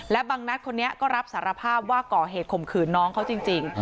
และบางนัดคนนี้ก็รับสารภาพว่าก่อเหตุข่มขืนน้องเขาจริง